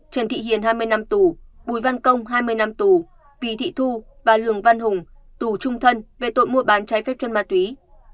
trần thị hiền hai mươi năm tù bùi văn công hai mươi năm tù vì thị thu và lường văn hùng tù trung thân về tội mua bán trái phép chân ma túy